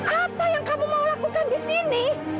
apa yang kamu mau lakukan di sini